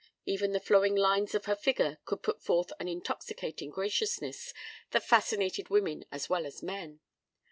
Even the flowing lines of her figure could put forth an intoxicating graciousness that fascinated women as well as men.